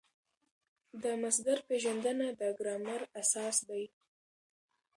د مصدر پېژندنه د ګرامر اساس دئ.